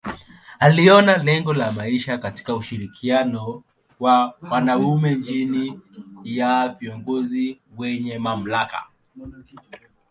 Aliona lengo ya maisha katika ushirikiano wa wanaume chini ya viongozi wenye mamlaka.